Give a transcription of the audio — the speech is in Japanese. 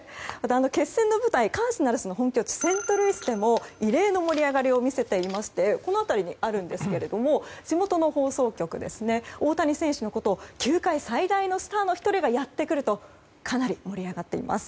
決戦の舞台カージナルスのセントルイスでも異例の盛り上がりを見せていましてこの辺りにあるんですけども地元の放送局は大谷選手のことを球界最大のスターの１人がやってくるとかなり盛り上がっています。